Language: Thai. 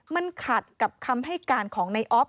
มันขัดกับคำให้การของในออฟ